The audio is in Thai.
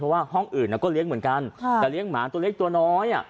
เพราะว่าห้องอื่นก็เลี้ยงเหมือนกันแต่เลี้ยงหมาตัวเล็กตัวน้อยอ่ะ